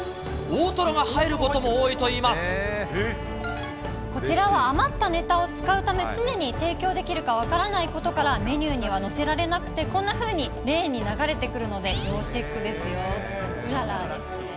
大トロが入ることも多いといいまこちらは余ったネタを使うため、常に提供できるか分からないことから、メニューには載せられなくて、こんなふうにレーンに流れてくるので、要チェックですよ。